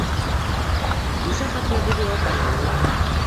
Нисә хатына бер яуап алғаны юҡ.